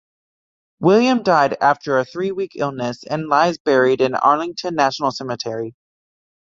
William died after a three-week illness and lies buried in Arlington National Cemetery.